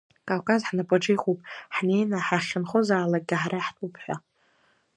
Кавказ ҳнапаҿы иҟоуп, ҳнеины ҳахьынхозаалак ҳара иаҳтәуп ҳәа.